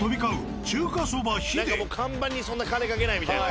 何かもう看板にそんな金かけないみたいな。